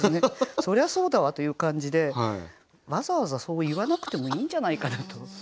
「そりゃそうだわ」という感じでわざわざそう言わなくてもいいんじゃないかなと。